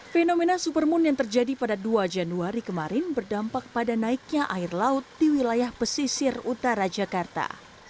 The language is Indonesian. fenomena supermoon yang terjadi pada dua januari kemarin berdampak pada naiknya air laut di wilayah pesisir utara jakarta